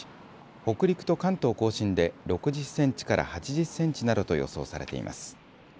北陸と関東甲信で６０センチから８０センチなどと予想されています。